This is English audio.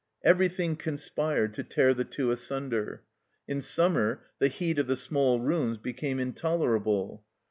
Everything conspired to tear the two asunder. In summer the heat of the small rooms became in tolerable.